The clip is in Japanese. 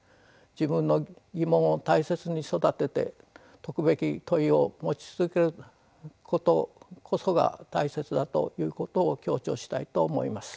自分の疑問を大切に育てて解くべき問いを持ち続けることこそが大切だということを強調したいと思います。